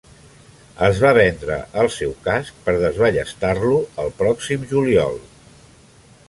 Es va vendre el seu casc per desballestar-lo el pròxim juliol.